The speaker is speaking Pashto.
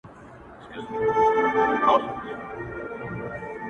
زه په دې کافرستان کي، وړم درانه ـ درانه غمونه.